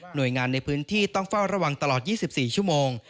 โดยงานในพื้นที่ต้องเฝ้าระวังตลอด๒๔ชั่วโมง